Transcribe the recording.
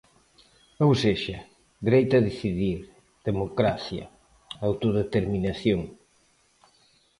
Ou sexa, dereito a decidir, democracia, autodeterminación.